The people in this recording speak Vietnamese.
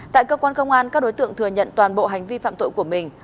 tại cơ quan công an các đối tượng thừa nhận toàn bộ hành vi phạm tội của mình